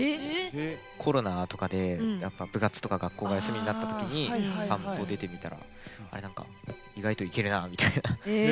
コロナとかで、部活とか学校が休みになった時に散歩出てみたら意外といけるなみたいな。